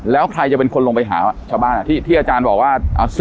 แล้วใครจะเป็นคนลงไปหาชาวบ้านที่อาจารย์บอกว่า